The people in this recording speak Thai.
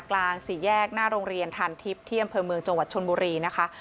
กลาง๔แยกหน้าโรงเรียนทานทิพย์ที่ดำเพลิงจชนบุรีนะคะ